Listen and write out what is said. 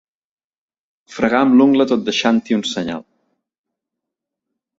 Fregar amb l'ungla tot deixant-hi un senyal.